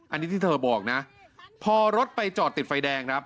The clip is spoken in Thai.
อันนี้ที่เธอบอกนะพอรถไปจอดติดไฟแดงครับ